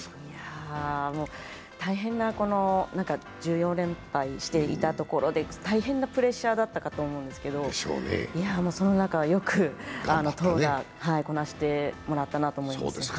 いや、１４連敗していたところで大変なプレッシャーだったかと思うんですけどその中、よく投打こなしてもらったなと思います。